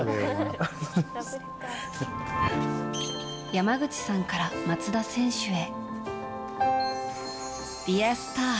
山口さんから松田選手へ。